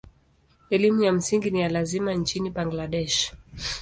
Elimu ya msingi ni ya lazima nchini Bangladesh.